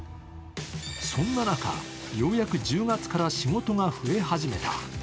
そんな中、ようやく１０月から仕事が増え始めた。